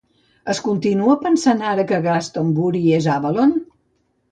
Es continua pensant ara que Glastonbury és Avalon?